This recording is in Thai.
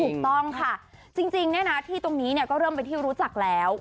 ถูกต้องค่ะจริงเนี่ยนะที่ตรงนี้ก็เริ่มเป็นที่รู้จักแล้ว